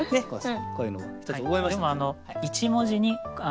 こういうの一つ覚えました。